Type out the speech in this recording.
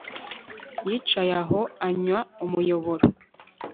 Yicaye aho anywa umuyoboro